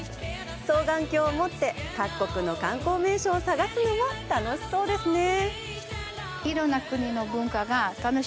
双眼鏡を持って各国の観光名所を探すのも楽しそうですね！